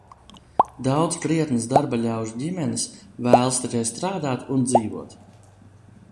Daudzas krietnas darbaļaužu ģimenes vēlas tikai strādāt un dzīvot!